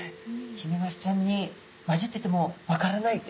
ヒメマスちゃんに交じってても分からないっていう。